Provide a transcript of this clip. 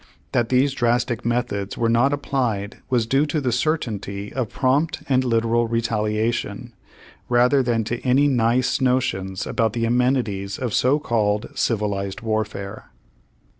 That these drastic methods were not applied was due to the certainty of prompt and literal retaliation, rather than to any nice notions about the amenities of so called civilized warfare.